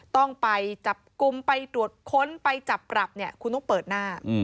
ต้องไปจับกลุ่มไปตรวจค้นไปจับปรับเนี่ยคุณต้องเปิดหน้า